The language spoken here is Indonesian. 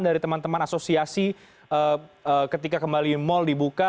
dari teman teman asosiasi ketika kembali mal dibuka